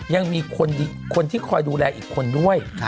ยังมีคนที่คอยดูแลอีกคนด้วย